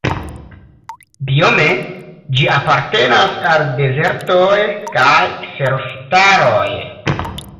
Biome ĝi apartenas al dezertoj kaj kserofitaroj.